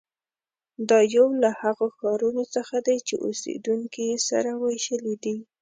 دا یو له هغو ښارونو څخه دی چې اوسېدونکي یې سره وېشلي دي.